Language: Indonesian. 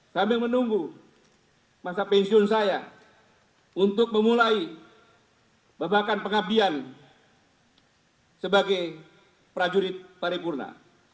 sambil menunggu masa pensiun saya untuk memulai babakan pengabdian sebagai prajurit paripurna